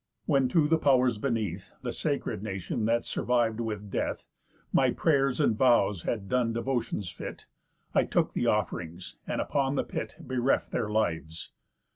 When to the Pow'rs beneath, The sacred nation that survive with death, My pray'rs and vows had done devotions fit, I took the off'rings, and upon the pit Bereft their lives.